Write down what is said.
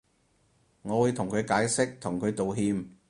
我會同佢解釋同佢道歉